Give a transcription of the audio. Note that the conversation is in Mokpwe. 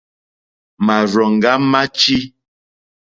Màrzòŋɡá má tʃí.